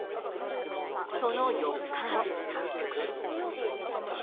その４日後。